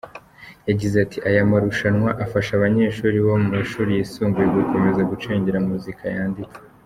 Yagize ati “Aya marushanwa afasha abanyeshuri bo mu mashuri yisumbuye gukomeza gucengera muzika yanditse.